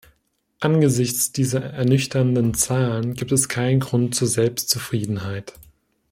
Angesichts dieser ernüchternden Zahlen gibt es keinen Grund zur Selbstzufriedenheit.